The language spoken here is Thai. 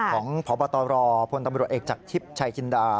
ของพบพตเอกจากทิปชายกินดา